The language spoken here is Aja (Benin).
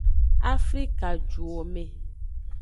Afrikajuwome.